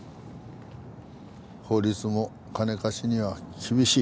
法律も金貸しには厳しい。